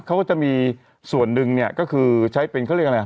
เขาก็จะมีส่วนหนึ่งเนี่ยก็คือใช้เป็นเขาเรียกอะไร